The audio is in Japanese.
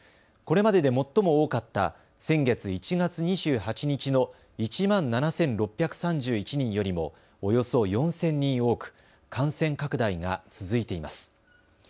これまでで最も多かった先月１月２８日の１万７６３１人よりもおよそ４０００人多く感染拡大が続いています。